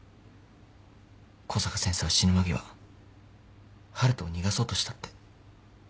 小坂先生は死ぬ間際晴翔を逃がそうとしたって。